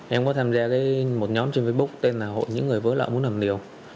em có tham gia một nhóm trên facebook tên là hội những người vỡ nợ muốn làm liều